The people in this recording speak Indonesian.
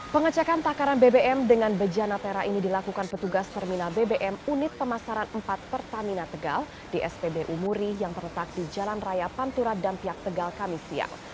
pengecekan takaran bbm dengan bejana tera ini dilakukan petugas terminal bbm unit pemasaran empat pertamina tegal di spbu muri yang terletak di jalan raya pantura dampiak tegal kami siang